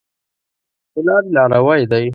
د لاري لاروی دی .